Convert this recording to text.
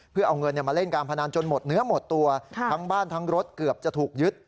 เพื่อเอาเงินมาเล่นการพนันจนหมดเนื้อหมดตัวทั้งบ้านทั้งรถเกือบจะถูกยึด